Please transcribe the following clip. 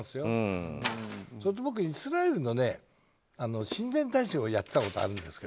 僕、イスラエルの親善大使をやっていたことがあるんですが。